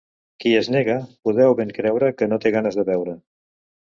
Qui es nega, podeu ben creure que no té ganes de beure.